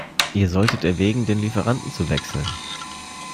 Ihr solltet erwägen, den Lieferanten zu wechseln.